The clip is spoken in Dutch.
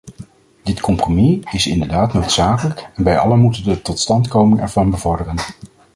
Dit compromis is inderdaad noodzakelijk en wij allen moeten de totstandkoming ervan bevorderen.